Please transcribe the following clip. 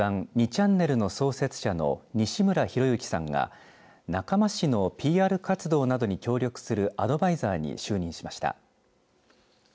ちゃんねるの創設者の西村博之さんが中間市のＰＲ活動などに協力するアドバイザーに就任しました。